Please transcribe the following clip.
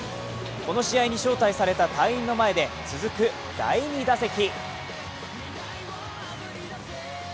この試合に招待された隊員の前で続く第２打席。